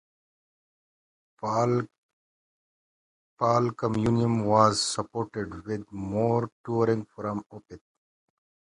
"Pale Communion" was supported with more touring from Opeth.